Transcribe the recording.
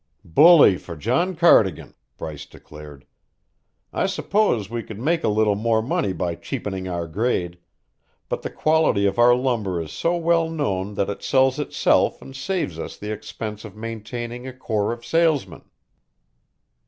"Bully for John Cardigan!" Bryce declared. "I suppose we could make a little more money by cheapening our grade, but the quality of our lumber is so well known that it sells itself and saves us the expense of maintaining a corps of salesmen."